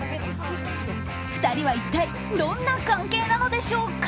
２人は一体どんな関係なのでしょうか。